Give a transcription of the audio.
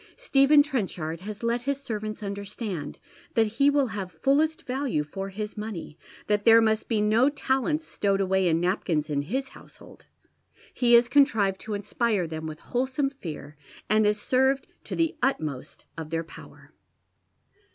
Stephen Trenchard has let his servants understand that he will have fullest value for his money, that there must be no talents stowed away in napkins in his household. He has contrived to inspire them with wholesome fear, and is served to the utmost of their power.